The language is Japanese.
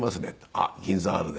「あっ銀座あるね」。